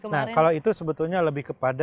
nah kalau itu sebetulnya lebih kepada